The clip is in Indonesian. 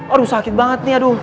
aduh sakit banget nih aduh